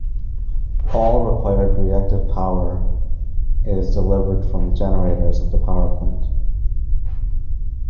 All required reactive power is delivered from the generators of the power plant.